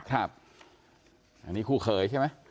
ครับอันนี้คู่เคยใช่ไหม